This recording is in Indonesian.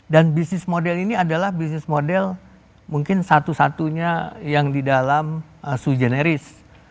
dan bisnis model ini adalah bisnis model mungkin satu satunya yang di dalam sujeneris